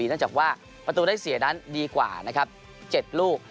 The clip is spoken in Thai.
เนื่องจากว่าประตูได้เสียนั้นดีกว่านะครับ๗ลูก